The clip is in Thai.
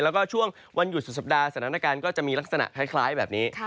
แล้วก็ช่วงวันหยุดสุดสัปดาห์สถานการณ์ก็จะมีลักษณะคล้ายแบบนี้